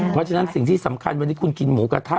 เพราะฉะนั้นสิ่งที่สำคัญวันนี้คุณกินหมูกระทะ